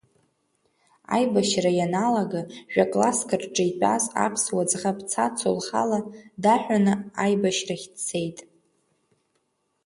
Аибашьра ианалага жәа-класск рҿы итәаз аԥсуа ӡӷаб Цацу лхала даҳәаны аибашьрахь дцеит.